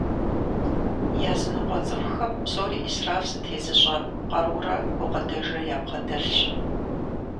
Языныкъуэ цӏыхухэм псори исраф зытезыщӏэ къарурэ гукъыдэжрэ ябгъэдэлъщ.